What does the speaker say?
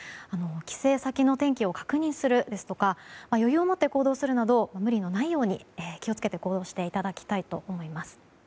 帰省先の天気を確認するですとか余裕を持って行動するなど無理のないように気を付けて行動していただきたいと思います。